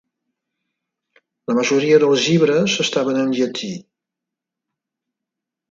La majoria dels llibres estaven en llatí.